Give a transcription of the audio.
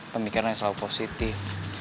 pemikirannya selalu positif